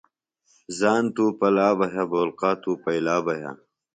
ژان توۡ پلا بہ یھہ بولقع پیِئلا بہ یھہ۔